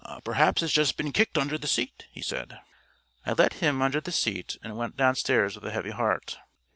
"Perhaps it's just been kicked under the seat," he said. I left him under the seat and went downstairs with a heavy heart.